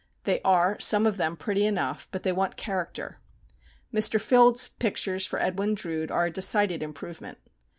They are, some of them, pretty enough, but they want character. Mr. Fildes' pictures for "Edwin Drood" are a decided improvement.